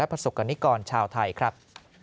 ประสบกรณิกรชาวไทยครับ